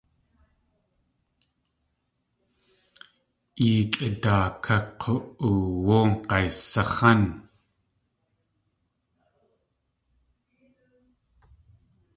Yee kʼidaaká k̲u.óowu gaysax̲án!